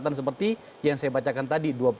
untuk saja kemudian